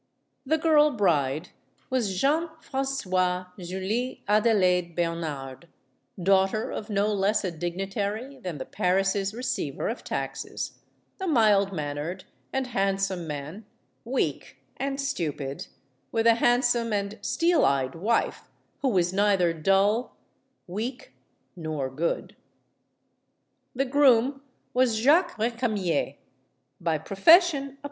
The girl bride was Jeanne Francoise Julie Adelaide Bernard, daughter of no less a dignitary than the Paris* receiver of taxes a mild mannered and handsome man, weak and stupid, with a handsome and steel eyed wife, who was neither dull, weak, nor good. MADAME RECAMIER 231 The groom was Jacques Recamier by profession a.